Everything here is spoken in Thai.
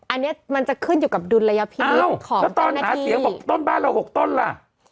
อันนี้มันจะขึ้นอยู่กับดุลระยะพินิษฐ์ของเจ้าหน้าที่อ้าวแล้วตอนหาเสียง๖ต้นบ้านเรา๖ต้นล่ะ